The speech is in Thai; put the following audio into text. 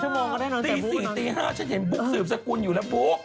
๓ชั่วโมงก็ได้นอนเจอบุ๊กตี๔ตี๕ฉันเห็นบุ๊กสืบสกุลอยู่แล้วบุ๊ก